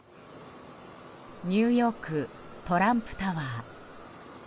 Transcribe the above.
ニューヨークトランプタワー。